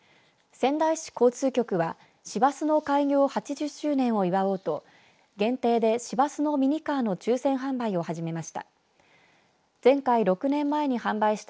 仙台市交通局は市バスの開業８０周年を祝おうと、限定で市バスのミニカーの抽せん販売を始めました。